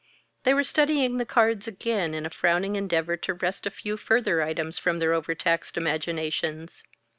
They were studying the cards again in a frowning endeavor to wrest a few further items from their overtaxed imaginations.